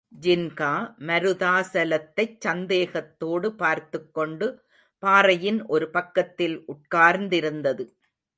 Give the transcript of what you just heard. ஜின்கா மருதாசலத்தைச் சந்தேகத்தோடு பார்த்துக்கொண்டு பாறையின் ஒரு பக்கத்தில் உட்கார்ந்திருந்தது.